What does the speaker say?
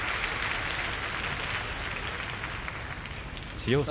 千代翔